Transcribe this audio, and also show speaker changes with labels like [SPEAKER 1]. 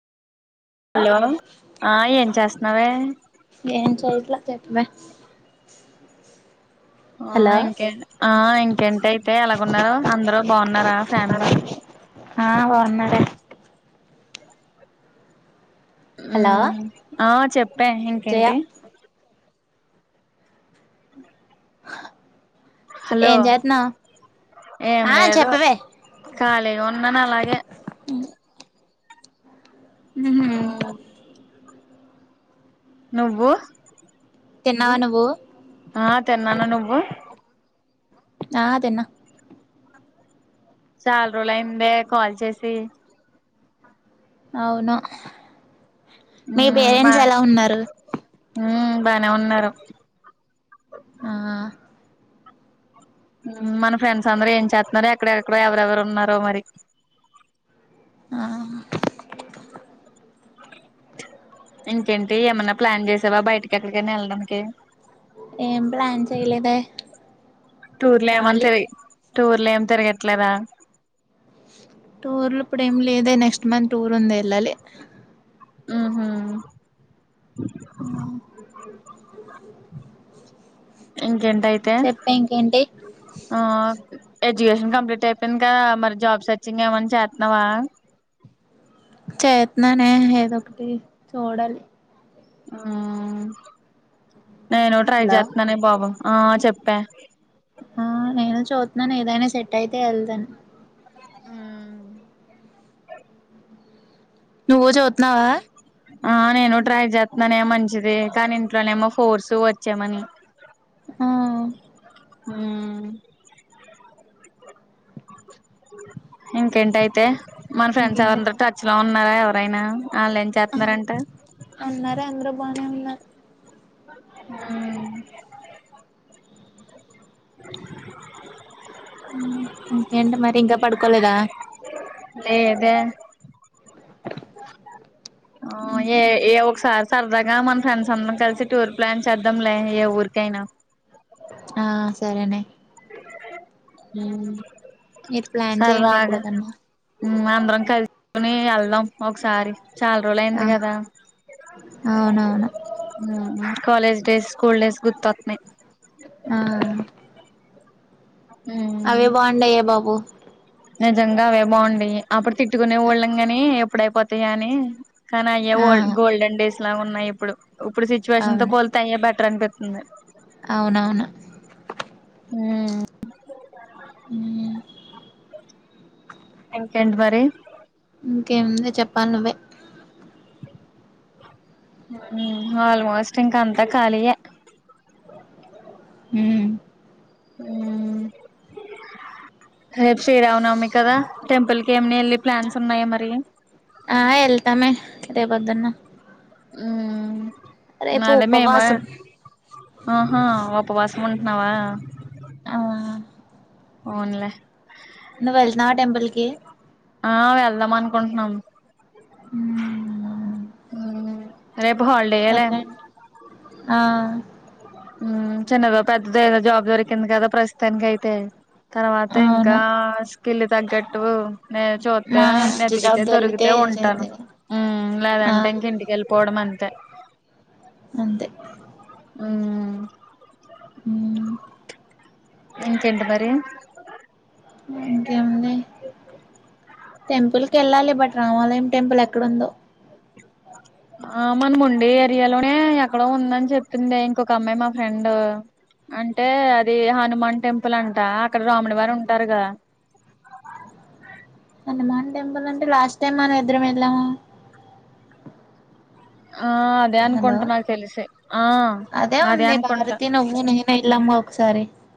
[SPEAKER 1] Hello ఆ ఏం చేస్తున్నావే
[SPEAKER 2] చెప్ మే
[SPEAKER 1] ఆ ఇంకే ఆ ఇంకేంటి అయితే ఎలాగున్నారు, అందరు బాగున్నారా ఫ్యామిలీ.
[SPEAKER 2] ఆ బాగున్నారా హలో
[SPEAKER 1] హ్మ్ ఆ చెప్పే
[SPEAKER 2] జయ
[SPEAKER 1] ఇంకేంటి హలో
[SPEAKER 2] ఏం జెత్నావ్ ఆ చెప్పవే
[SPEAKER 1] కాలిగా ఉన్ ఉన్నను అలాగే హ్మ్ నువ్వు
[SPEAKER 2] తిన్నావా నువ్వు
[SPEAKER 1] ఆ తిన్నాను నువ్వు
[SPEAKER 2] ఆ తిన్న
[SPEAKER 1] చాలా రోజులు అయిందే కాల్ చేసి
[SPEAKER 2] అవును మీ
[SPEAKER 1] ఉమ్ మా
[SPEAKER 2] పేరెంట్స్ ఎలా ఉన్నారు
[SPEAKER 1] ఉమ్ బానే ఉన్నారు
[SPEAKER 2] ఆ
[SPEAKER 1] ఉమ్ మన ఫ్రెండ్స్ అందరు ఏం చేత్ నారో ఎక్కడెక్కడో ఎవరెవరు ఉన్నారో మరి
[SPEAKER 2] ఆ
[SPEAKER 1] ఇంకేంటి ఏమన్న ప్లాన్ చేసావా బయటికెక్కడికైన ఎల్డానికి
[SPEAKER 2] ఏం ప్లాన్ చేయలేదే
[SPEAKER 1] టూర్లో
[SPEAKER 2] ఖాళీ
[SPEAKER 1] ఏమంతిరి టూర్లేమ్ తిరగట్లేదా
[SPEAKER 2] టూర్లుప్పుడు ఏం లేదే నెక్స్ట్ మన్ టూరుందెళ్లలే
[SPEAKER 1] ఉహూ
[SPEAKER 2] ఉమ్
[SPEAKER 1] ఏంటైతే
[SPEAKER 2] ఇంకేంటి
[SPEAKER 1] ఆ ఎజ్యుకేషన్ కంప్లీట్ అయిపోయింది కదా మరి జాబ్ సెర్చింగ్ ఏమన్న చేత్నావ
[SPEAKER 2] చేత్నానే ఏదో ఒకటి చూడాలి
[SPEAKER 1] ఉమ్ నేను ట్రై
[SPEAKER 2] హలో
[SPEAKER 1] చేత్నానే బాబు ఆ చెప్పా
[SPEAKER 2] ఆ నేను చూత్నాను ఏదైనా సెట్ అయితే ఎల్తాను
[SPEAKER 1] ఉమ్
[SPEAKER 2] నువ్వు చూత్నావా
[SPEAKER 1] ఆ నేను ట్రై చేత్నానే మంచిది కానీ ఇంట్లోనేమో ఫోర్సు వచ్చే మని
[SPEAKER 2] ఆ
[SPEAKER 1] హ్మ్ [inaudible] ఇంకేంటైతే మన ఫ్రెండ్స్
[SPEAKER 2] ఇంకేంటి
[SPEAKER 1] ఎవరన్న
[SPEAKER 2] మరి
[SPEAKER 1] టచ్ లో ఉన్నారా ఎవ పైన ఆల్లెం చేత్నారంట
[SPEAKER 2] తే అందరూ బానే ఉన్నారు హ్మ్ ఇంకేంటి మరి ఇంకా పడుకోలేదా
[SPEAKER 1] లేదే ఉ ఏ ఇయ్యే ఒకసారి సరదాగా మన ఫ్రెండ్స్ అందరం కలిసి టూర్ ప్లాన్ చేద్దాంలే ఏ ఊరికైనా
[SPEAKER 2] ఆ సరే నే
[SPEAKER 1] హ్మ్
[SPEAKER 2] మీరు ప్లాన్ చేయండి ఎక్కడికన్నా
[SPEAKER 1] ఉమ్ అందరం కలుసుకుని ఎళ్దాం ఒకసారి
[SPEAKER 2] ఆ
[SPEAKER 1] చాల్రోజలైంది కదా
[SPEAKER 2] అవునవును
[SPEAKER 1] కాలేజ్ డేస్ స్కూల్ డేస్ గుతతున్నాయి
[SPEAKER 2] ఆ అవే
[SPEAKER 1] ఉమ్
[SPEAKER 2] బాగుడాయా బాబు
[SPEAKER 1] నిజంగా అవే బాగుండి అప్పుడు తిట్టుకునే వాఊళ్ళం గాని ఎప్పుడయిపోతాయ అని
[SPEAKER 2] ఆ
[SPEAKER 1] కనీఓల్ గోల్డన్ డే అట్లా ఉన్నాయి ఇప్పుడు ఇప్పుడు సిచ్యవేషన్ తో
[SPEAKER 2] అవును
[SPEAKER 1] పోతయ బెటర్ అపి ఉ
[SPEAKER 2] అవునవును
[SPEAKER 1] హమ్
[SPEAKER 2] హమ్
[SPEAKER 1] ఎంకెంటి మరి
[SPEAKER 2] ఇంకేముంది చెప్పాలి నువ్వే
[SPEAKER 1] ఆల్మోస్ట్ ఇంకా అంతా ఖాళీయ
[SPEAKER 2] హ
[SPEAKER 1] రేపు శ్రీరావునమి కదా టెంపుల్ కి ఏమిని వెళ్ళి ప్లాన్స్ ఉన్నాయి మరి
[SPEAKER 2] ఆ వెళ్తామే రేపుదున్న
[SPEAKER 1] అ అద మే మా
[SPEAKER 2] ఉపవాసం
[SPEAKER 1] ఆహ ఇప్పు వాసం ఉంటన్నావా
[SPEAKER 2] ఆ
[SPEAKER 1] ఓవునులే
[SPEAKER 2] ను వెల్నా టెంపుిల్ క
[SPEAKER 1] ఆ వెళ్దాం అనుకుంటున్నాం
[SPEAKER 2] ఉమ్ అవును
[SPEAKER 1] రే హల్డే అాల
[SPEAKER 2] వెళ్ళండి ఆ
[SPEAKER 1] చిన్నదో పెద్దదో ఏదో జాబ్ దొరికింది కదా ప్రస్తుతానినికి అయితే తర్వాత ఇంకా
[SPEAKER 2] అవును
[SPEAKER 1] స్కిల్ తగ్గట్టు నేను
[SPEAKER 2] మా
[SPEAKER 1] చూస్తతే
[SPEAKER 2] మంచి జాబ్
[SPEAKER 1] వెెతికితే దొరికితే ఉంటాను
[SPEAKER 2] చేద్దు ఆ
[SPEAKER 1] లేదంటే ఇంక ఇంటికెళ్ళి పోవడం అంతే
[SPEAKER 2] అంతే
[SPEAKER 1] అ
[SPEAKER 2] మ్మ్
[SPEAKER 1] ఇంకేంటి మరి
[SPEAKER 2] ఇంకేముంది టెంపుల్ క వెళ్ళాలి బట్ రామాలయం టెంపుల్ ఎక్కడందో
[SPEAKER 1] ఆ మన ఉండి ఏరియాలోనే ఎక్కడో ఉందని చెప్ింది ఇంకొక అమ్మాయి మా ఫ్రెండ్ అంటే అది హనుమాన్ టెంపుల్ అంట అక్కడ రాముడి వారు ఉంటారు కదా
[SPEAKER 2] ందంటే లాస్ట్ టైమ్ మనం ఇద్దరం వెళ్దాము
[SPEAKER 1] ఆ అదే
[SPEAKER 2] హలో
[SPEAKER 1] అనుకుంటా నాకు తెలిసి ఆ అదే అనుకుంటా
[SPEAKER 2] ఇల్మ్ ఒకసారి